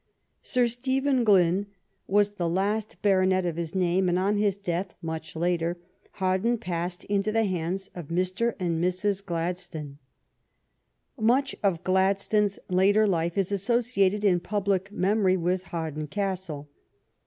Sir Stephen Glynne was the GLADSTONE'S MARRIAGE 79 last baronet of his name, and on his death, much later on, Hawarden passed into the hands of Mr. and Mrs. Gladstone. Much of Gladstone's later life is associated in public memory with Hawarden Castle.